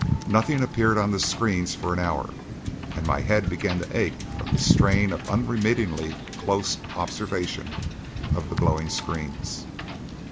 Nothing appeared on the screens for an hour, and my head began to ache from the strain of unremitting close observation of the glowing screens.